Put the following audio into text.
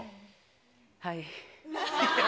はい。